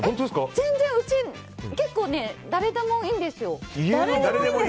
全然うち、誰でもいいんですよ。